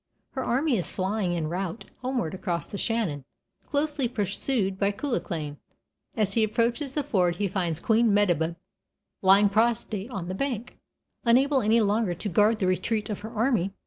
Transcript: Her army is flying in rout homeward across the Shannon, closely pursued by Cuchulainn. As he approaches the ford he finds Queen Medb lying prostrate on the bank, unable any longer to guard the retreat of her army.